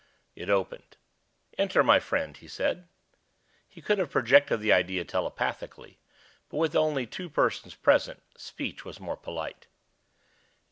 It opened. "Enter, my friend," he said. He could have projected the idea telepathically; but with only two persons present, speech was more polite.